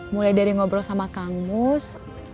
mulai dari ngobrol sama kang mus